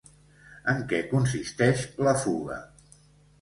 En què consisteix la fuga?